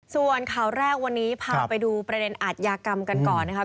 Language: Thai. ส่วนข่าวแรกวันนี้พาไปดูประเด็นอาทยากรรมกันก่อนนะครับ